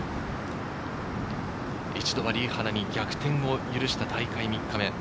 一度はリ・ハナに逆転を許した大会３日目。